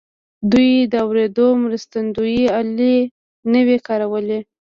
دوی د اورېدو مرستندويي الې نه وې کارولې.